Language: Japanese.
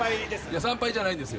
参拝じゃないんですよ。